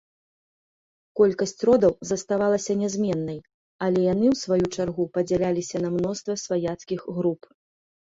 Колькасць родаў заставалася нязменнай, але яны ў сваю чаргу падзяляліся на мноства сваяцкіх груп.